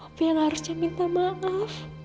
apa yang harusnya minta maaf